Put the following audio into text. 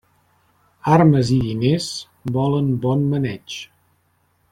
Armes i diners, volen bon maneig.